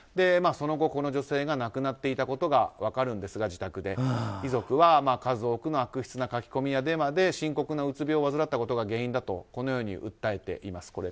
その後、この女性が自宅で亡くなっていたことが分かるんですが遺族は数多くの悪質な書き込みやデマで深刻なうつ病を患ったことが原因だとこのように訴えています。